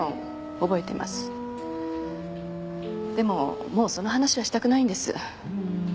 でももうその話はしたくないんです。